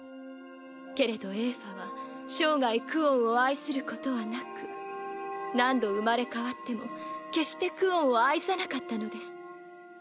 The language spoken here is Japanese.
けれどエーファは生涯クオンを愛することはなく何度生まれ変わっても決してクオンを愛さなかったのです。